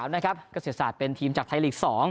๒๓นะครับเกษตรศาสตร์เป็นทีมจากไทยลิกส์๒